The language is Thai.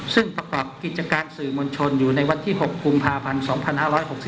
ซึ่งประกอบกิจการสื่อมวลชนอยู่ในวันที่๖กุมภาพันธ์๒๕๖๒